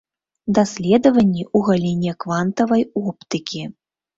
Даследаванні ў галіне квантавай оптыкі.